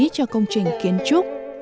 cho công trình kiến trúc